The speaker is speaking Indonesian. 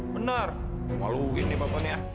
benar maluin nih papanya